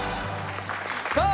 さあ